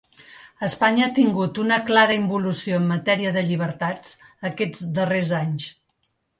Espanya ha tingut una clara involució en matèria de llibertats aquests darrers anys.